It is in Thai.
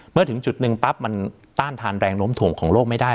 เมื่อถึงจุดหนึ่งปั๊บมันต้านทานแรงล้มถ่วงของโลกไม่ได้